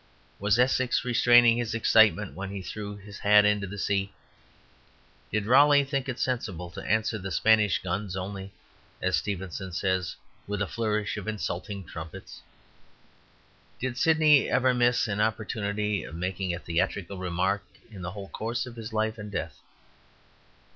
Was Essex restraining his excitement when he threw his hat into the sea? Did Raleigh think it sensible to answer the Spanish guns only, as Stevenson says, with a flourish of insulting trumpets? Did Sydney ever miss an opportunity of making a theatrical remark in the whole course of his life and death?